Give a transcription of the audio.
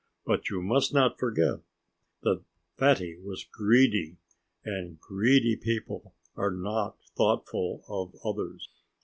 But you must not forget that Fatty was greedy. And greedy people are not thoughtful of others.